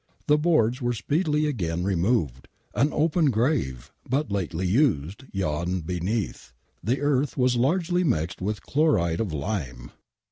The boards were speedily again removed. An open grave, but lately used, yawned beneath !! The earth was largely mixed with chloride of lime